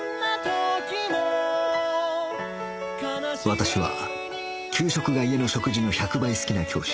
私は給食が家の食事の１００倍好きな教師